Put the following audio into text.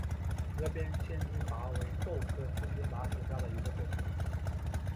河边千斤拔为豆科千斤拔属下的一个种。